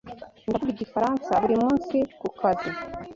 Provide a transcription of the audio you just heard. Ndavuga Igifaransa buri munsi kukazi.